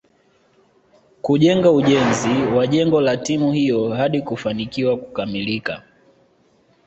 kujenga ujenzi wa jengo la timu hiyo hadi kufanikiwa kukamilika